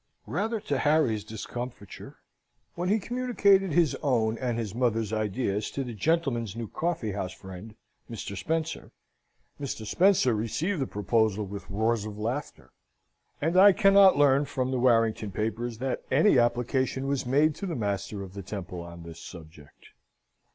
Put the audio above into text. Rather to Harry's discomfiture, when he communicated his own and his mother's ideas to the gentlemen's new coffee house friend, Mr. Spencer, Mr. Spencer received the proposal with roars of laughter; and I cannot learn, from the Warrington papers, that any application was made to the Master of the Temple on this subject.